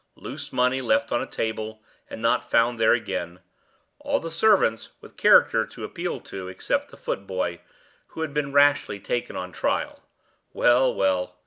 Loose money left on a table, and not found there again; all the servants with characters to appeal to except the foot boy, who had been rashly taken on trial. Well! well!